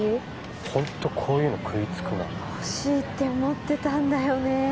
ホントこういうの食いつくな欲しいって思ってたんだよね